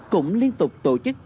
cũng liên tục tổ chức phát khẩu trang